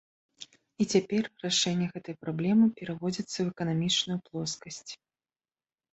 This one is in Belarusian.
І цяпер рашэнне гэтай праблемы пераводзіцца ў эканамічную плоскасць.